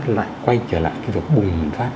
lại quay trở lại cái vụ bùng phát